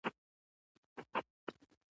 چې جبار يې له ځانه سره يوسي.